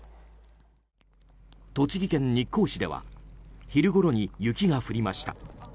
栃木県日光市では昼ごろに雪が降りました。